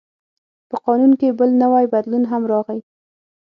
په قانون کې بل نوی بدلون هم راغی.